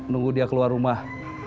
nunggu dia keluar rumah